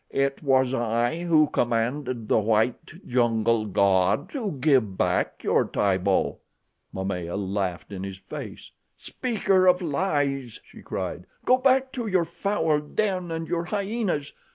"It was I who commanded the white jungle god to give back your Tibo." Momaya laughed in his face. "Speaker of lies," she cried, "go back to your foul den and your hyenas.